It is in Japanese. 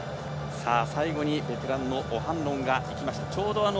最後にベテランのオハンロンがいきました。